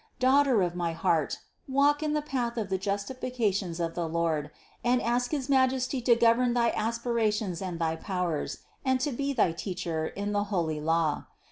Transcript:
Daughter of my heart, walk in the path of the justifica tions of the Lord and ask his Majesty to govern thy aspirations and thy powers and to be thy Teacher in the holy law.